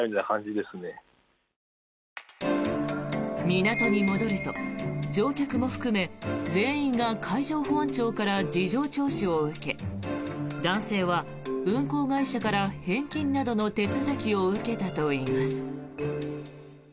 港に戻ると、乗客も含め全員が海上保安庁から事情聴取を受け男性は運航会社から返金などの手続きを受けたといいます。